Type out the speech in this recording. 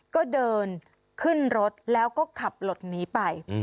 ก็เดินขึ้นรถแล้วก็ขับหลบหนีไป